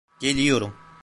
Geliyorum.